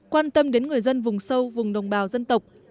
quan tâm đến người dân vùng sâu vùng đồng bào dân tộc